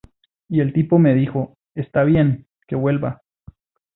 Y el tipo me dijo: ‘Está bien, que vuelva.